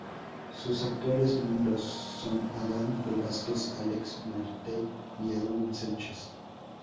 Sus actuales miembros son Adán Velásquez, Alex Martell y Edwin Sánchez.